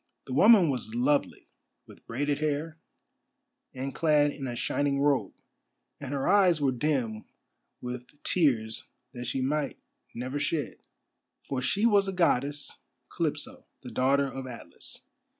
The woman was lovely, with braided hair, and clad in a shining robe, and her eyes were dim with tears that she might never shed: for she was a Goddess, Calypso, the daughter of Atlas.